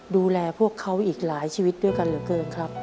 ดูแลพวกเขาอีกหลายชีวิตด้วยกันเหลือเกินครับ